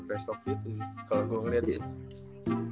trash talk gitu kalo gua ngeliat sih